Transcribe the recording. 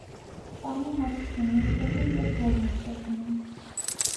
Տանը հաց չունի ուտելու և Բոլնիս է գնում: